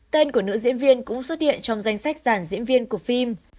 tên của nữ diễn viên cũng xuất hiện trong danh sách giản diễn viên của phim